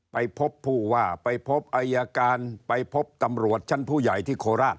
ไปพบผู้ว่าไปพบอายการไปพบตำรวจชั้นผู้ใหญ่ที่โคราช